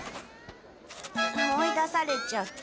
追い出されちゃった。